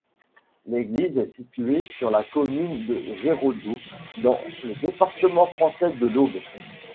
L'église est située sur la commune de Géraudot, dans le département français de l'Aube.